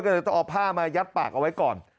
ก็เลยต้องเอาผ้ามายัดปากเอาไว้ก่อน